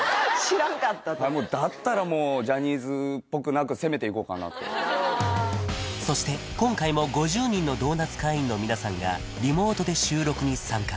知らんかったとだったらもうジャニーズっぽくなく攻めていこうかなとそして今回も５０人のドーナツ会員の皆さんがリモートで収録に参加